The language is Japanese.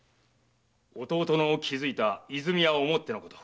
弟の築いた和泉屋を思ってのこと。